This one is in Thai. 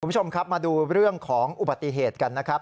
คุณผู้ชมครับมาดูเรื่องของอุบัติเหตุกันนะครับ